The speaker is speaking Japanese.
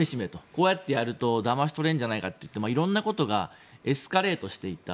こうやってやるとだまし取れるんじゃないかと思って色々なことがエスカレートしていった。